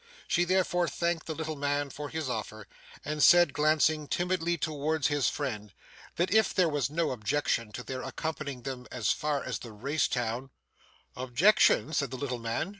She therefore thanked the little man for his offer, and said, glancing timidly towards his friend, that if there was no objection to their accompanying them as far as the race town 'Objection!' said the little man.